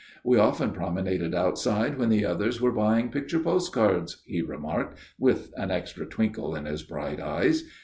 We often promenaded outside when the others were buying picture postcards," he remarked, with an extra twinkle in his bright eyes.